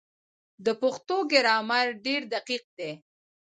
د پښتو ګرامر ډېر دقیق دی.